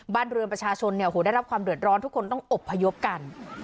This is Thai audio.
บ้านเรือนประชาชนได้รับความเดือดร้อนทุกคนต้องอบพยพกัน